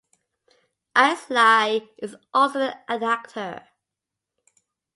Ainslie is also an actor.